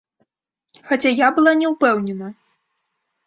Хаця я была не ўпэўнена.